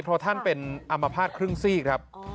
เพราะท่านเป็นอัมพาตครึ่งซีกครับ